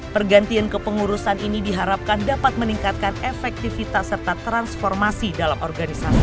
pergantian kepengurusan ini diharapkan dapat meningkatkan efektivitas serta transformasi dalam organisasi